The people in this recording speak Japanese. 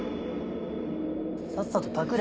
さっさとパクれ。